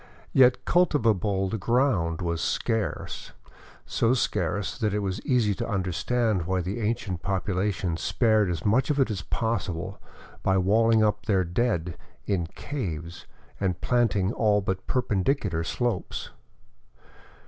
Yet cultivatable ground was scarce, so scarce that it was easy to understand why the ancient population spared as much of it as possible by walHng up their dead in caves and planting all but perpendicular slopes.